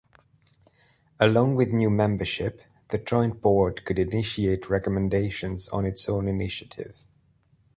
Along with new membership, the Joint Board could initiate recommendations on its own initiative.